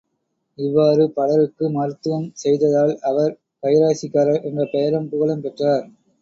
இவ்வாறு பலருக்கு மருத்துவம் செய்ததால் அவர் கைராசிக்காரர் என்ற பெயரும், புகழும் பெற்றார்.